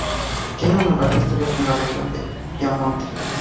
Tiene una larga historia en la región de Piamonte.